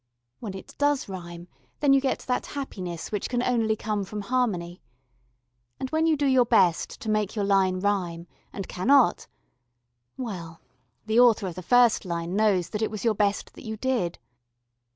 When it does rhyme, then you get that happiness which can only come from harmony. And when you do your best to make your line rhyme and cannot well, the Author of the first line knows that it was your best that you did.